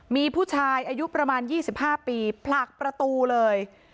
มีผู้ชายอายุประมาณยี่สิบห้าปีผลักประตูเลย